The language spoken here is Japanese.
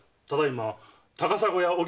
ただいま高砂屋